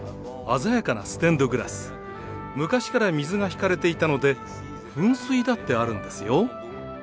昔から水が引かれていたので噴水だってあるんですよ。